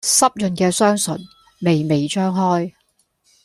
濕潤嘅雙唇，微微張開